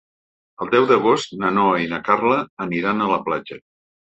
El deu d'agost na Noa i na Carla aniran a la platja.